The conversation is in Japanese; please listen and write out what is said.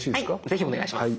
ぜひお願いします。